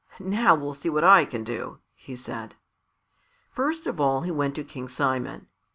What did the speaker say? "Now we'll see what I can do!" he said. First of all he went to King Simon.